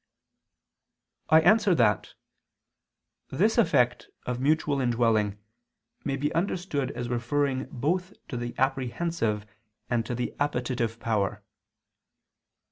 I answer that, This effect of mutual indwelling may be understood as referring both to the apprehensive and to the appetitive power.